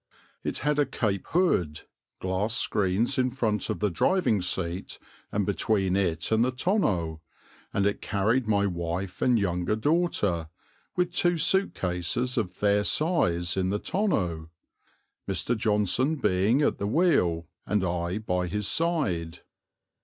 It had a cape hood, glass screens in front of the driving seat and between it and the tonneau, and it carried my wife and younger daughter, with two suit cases of fair size, in the tonneau, Mr. Johnson being at the wheel, and I by his side.